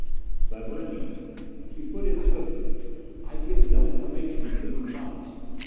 Clever Anita! She put in swiftly, "I give no information until you promise!